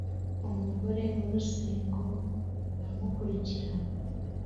umugore wa Rusengo aramukurikira